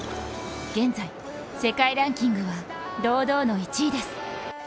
現在世界ランキングは堂々の１位です。